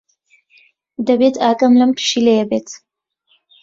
دەبێت ئاگام لەم پشیلەیە بێت.